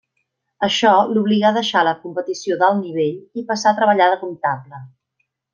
Això l'obligà a deixar la competició d'alt nivell i passà a treballar de comptable.